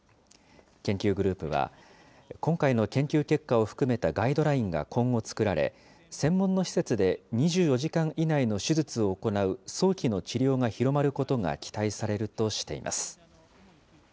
研究グループは、今回の研究結果を含めたガイドラインが今後作られ、専門の施設で２４時間以内の手術を行う早期の治療が広まることが期待されるとしています。